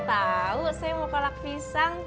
tapi kalo kebaga habis